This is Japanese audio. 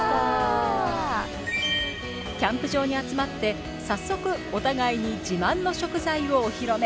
キャンプ場に集まって早速お互いに自慢の食材をお披露目。